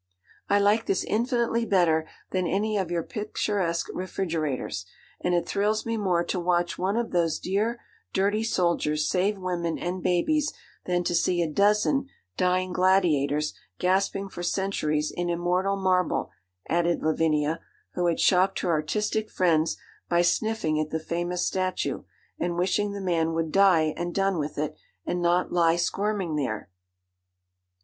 'I like this infinitely better than any of your picturesque refrigerators, and it thrills me more to watch one of those dear, dirty soldiers save women and babies than to see a dozen "Dying Gladiators" gasping for centuries in immortal marble,' added Lavinia, who had shocked her artistic friends by sniffing at the famous statue, and wishing the man would die and done with it, and not lie squirming there.